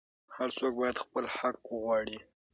هر څوک باید خپل حق وغواړي.